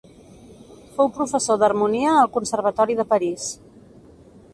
Fou professor d'harmonia al Conservatori de París.